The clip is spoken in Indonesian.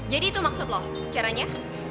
jadi itu maksud lo caranya